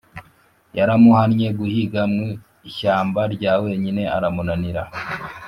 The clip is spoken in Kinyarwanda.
yaramuhannye guhiga mu ishyamba rya wenyine aramunanira